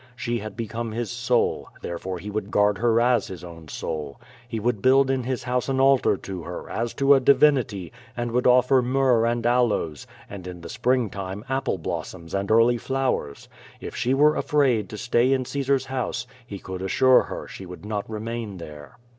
She had become his soul, therefore he would guard her as his own soul. He would build in his house an altar to her, as to a divinity, and would offer myrrh and aloes, and in the springtime apple blossoms QVO VADI8, 59 and early flowers. If she were afraid to stay in Caesar's house, he could assure her she would not remain there.